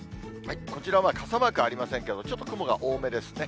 こちらは傘マークありませんけれども、ちょっと雲が多めですね。